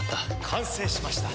完成しました。